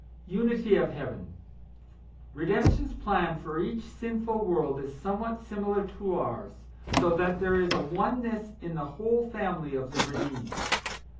UNITY OF HEAVEN. Redemption's plan for each sinful world is somewhat similar to ours, so that there is a oneness in the whole family of the redeemed.